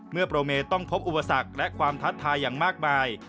เมื่อโปรเมย์ต้องพบอุปสรรคและความทัศน์ทายอย่างมากมาย